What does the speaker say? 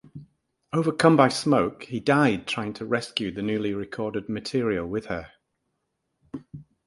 Overcome by smoke, he died trying to rescue the newly recorded material with her.